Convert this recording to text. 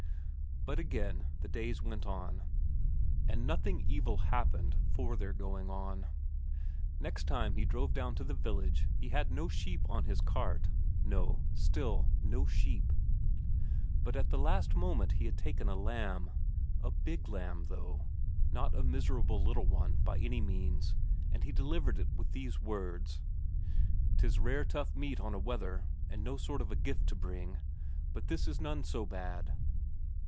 But again the days went on, and nothing evil happened for their going on. Next time he drove; down to the village he had no sheep on his cart, no, still no sheep. But at the last moment he had taken a lamb. A big lamb, though; not a miserable little one by any means, and he delivered it with these words: "'Tis rare tough meat on a wether, and no sort of a gift to bring. But this is none so bad."